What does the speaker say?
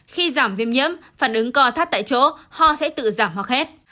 khi giảm viêm nhiễm phản ứng co thắt tại chỗ họ sẽ tự giảm hoặc hết